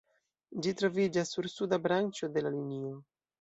Ĝi troviĝas sur suda branĉo de la linio.